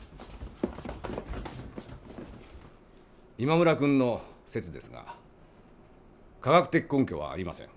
今村君の説ですが科学的根拠はありません。